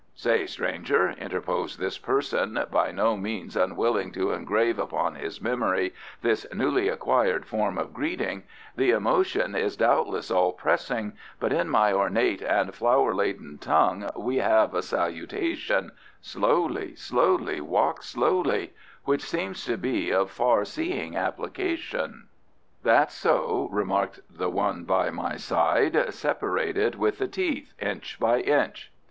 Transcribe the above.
"Say, stranger," interposed this person, by no means unwilling to engrave upon his memory this newly acquired form of greeting, "the emotion is doubtless all pressing, but in my ornate and flower laden tongue we have a salutation, 'Slowly, slowly; walk slowly,' which seems to be of far seeing application." "That's so," remarked the one by my side. "Separate it with the teeth, inch by inch."